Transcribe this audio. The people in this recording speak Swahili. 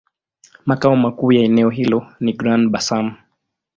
Makao makuu ya eneo hilo ni Grand-Bassam.